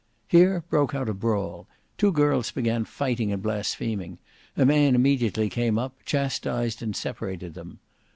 Here broke out a brawl: two girls began fighting and blaspheming; a man immediately came up, chastised and separated them.